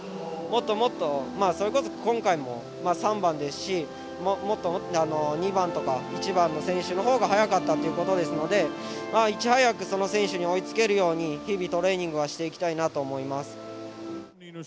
もっともっとそれこそ今回も３番ですし２番とか１番の選手のほうが速かったということですのでいち早くその選手に追いつけるように日々トレーニングはしていきたいなと思います。